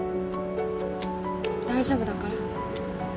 大丈夫だから。